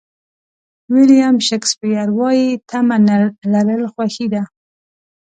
ویلیام شکسپیر وایي تمه نه لرل خوښي ده.